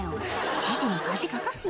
「知事に恥かかすな」